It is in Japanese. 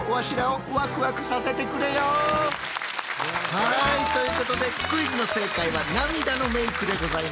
はいということでクイズの正解は「涙のメーク」でございました。